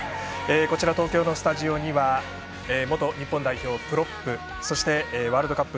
こちら、東京のスタジオには元日本代表のプロップそしてワールドカップ